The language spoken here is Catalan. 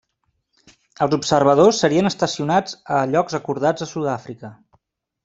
Els observadors serien estacionats a llocs acordats a Sud-àfrica.